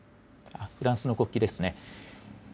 フランスの国旗ですね。